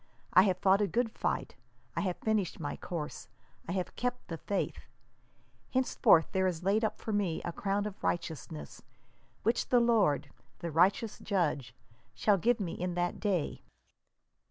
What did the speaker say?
I have fought a good fight, I have finished my course, I have kept the faith : henceforth there is laid up for me a crown of righteousness, which the Lord, the righteous Judge, shall give me in that day